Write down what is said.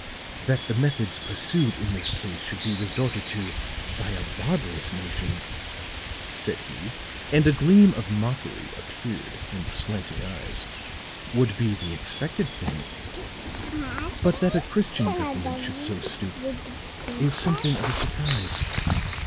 "That the methods pursued in this case should be resorted to by a barbarous nation," said he, and a gleam of mockery appeared in the slanting eyes, "would be the expected thing; but that a Christian government should so stoop is something of a surprise."